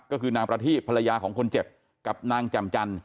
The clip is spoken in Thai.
ก็คือนางประทีบภรรยาของคนเจ็บกับนางแจ่มจันท